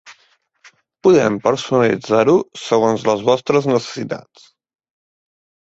Podem personalitzar-ho segons les vostres necessitats.